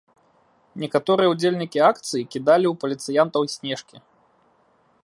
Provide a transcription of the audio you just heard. Некаторыя ўдзельнікі акцый кідалі ў паліцыянтаў снежкі.